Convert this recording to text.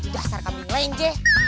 dasar kambing lain jeh